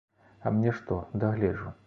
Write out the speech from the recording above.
А мне што, дагледжу.